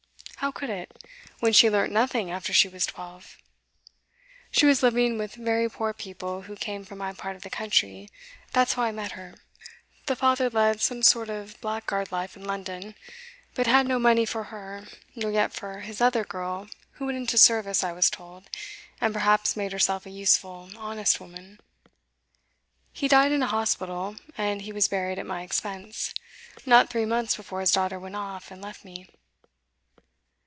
How could it, when she learnt nothing after she was twelve? She was living with very poor people who came from my part of the country that's how I met her. The father led some sort of blackguard life in London, but had no money for her, nor yet for his other girl, who went into service, I was told, and perhaps made herself a useful, honest woman. He died in a hospital, and he was buried at my expense not three months before his daughter went off and left me.